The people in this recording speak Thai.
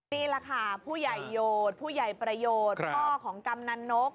นี่แหละค่ะผู้ใหญ่โหดผู้ใหญ่ประโยชน์พ่อของกำนันนก